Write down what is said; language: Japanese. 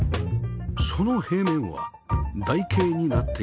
その平面は台形になっています